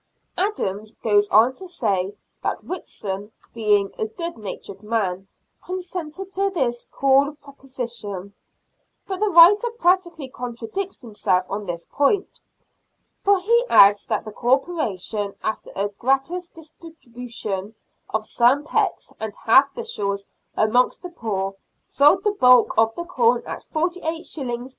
Adams goes on to say that Whitson, being a good natured man, consented to this cool pro position ; but the writer practically contradicts himself on this point, for he adds that the Corporation, after a gratis distribution of some pecks and half bushels amongst the poor, sold the bulk of the corn at 48s.